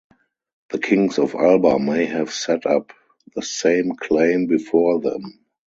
The kings of Alba may have set up the same claim before them.